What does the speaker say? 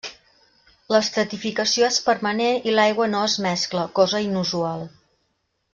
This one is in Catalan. L'estratificació és permanent i l'aigua no es mescla, cosa inusual.